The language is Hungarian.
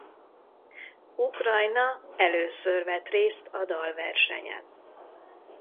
Ukrajna először vett részt a dalversenyen.